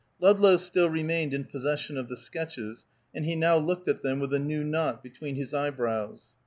Ludlow still remained in possession of the sketches, and he now looked at them with a new knot between his eyebrows.